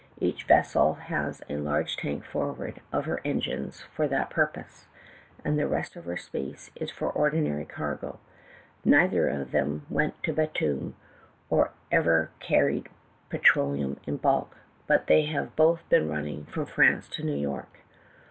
Each vessel has a large tank forward of her engines for that pur pose, and the rest of her space is for ordinary cargo. Neither of them ever went to Batoum, or ever carried petroleum in bulk, but they have both been running from France to New York.